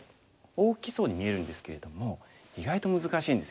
大きそうに見えるんですけれども意外と難しいんですよね。